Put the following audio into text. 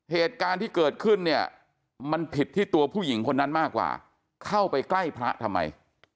เหตุการณ์ที่เกิดขึ้นเนี่ยมันผิดที่ตัวผู้หญิงคนนั้นมากกว่าเข้าไปใกล้พระทำไม